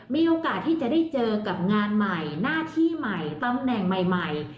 มีโอกาสที่จะได้เจอกับงานใหม่หน้าที่ใหม่ตำแหน่งใหม่